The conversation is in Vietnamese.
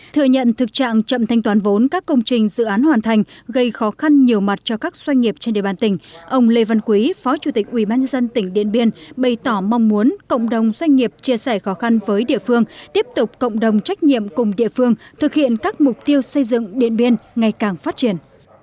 thừa nhận thực trạng chậm thanh toán vốn các công trình dự án hoàn thành gây khó khăn nhiều mặt cho các doanh nghiệp trên địa bàn tỉnh ông lê văn quý phó chủ tịch ubnd tỉnh điện biên bày tỏ mong muốn cộng đồng doanh nghiệp chia sẻ khó khăn với địa phương tiếp tục cộng đồng trách nhiệm cùng địa phương thực hiện các mục tiêu xây dựng điện biên ngày càng phát triển